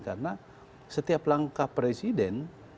karena setiap langkah presiden